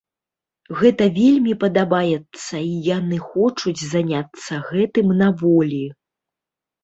Гэта вельмі падабаецца і яны хочуць заняцца гэтым на волі.